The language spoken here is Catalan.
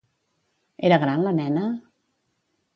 Era gran la nena?